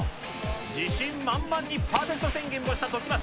自信満々のパーフェクト宣言をした時松。